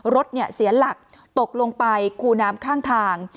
รถเสียหลักตกลงไปคูน้ำข้างทาง